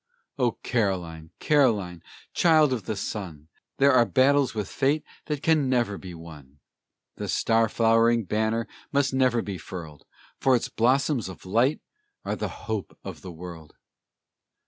O Caroline, Caroline, child of the sun, There are battles with fate that can never be won! The star flowering banner must never be furled, For its blossoms of light are the hope of the world!